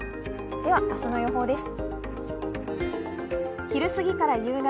では、明日の予報です。